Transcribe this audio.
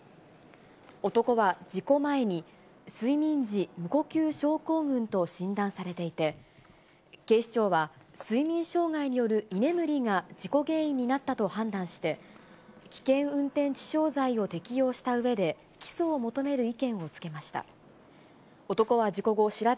男は事故前に、睡眠時無呼吸症候群と診断されていて、警視庁は睡眠障害による居眠りが事故原因になったと判断して、危険運転致傷罪を適用したうえで、全国の皆さん、こんばんは。